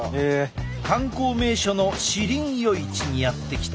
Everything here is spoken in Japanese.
観光名所の士林夜市にやって来た。